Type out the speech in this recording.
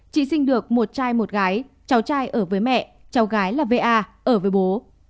chị sinh được một trai một gái cháu trai ở với mẹ cháu gái là va ở với bố